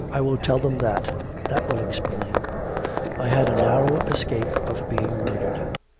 I will tell them that... that will explain ... I had a narrow escape of being murdered.'